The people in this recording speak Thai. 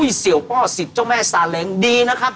อุ๊ยเสียวป่อสิบเจ้าแม่สหร่างดีนะครับ